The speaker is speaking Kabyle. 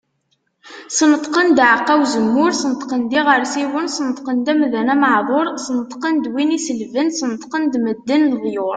Sneṭqen-d aɛeqqa uzemmur, Sneṭqen-d iɣersiwen, Sneṭqen-d amdan ameɛdur, Sneṭqen-d win iselben, Sneṭqen-d medden leḍyur.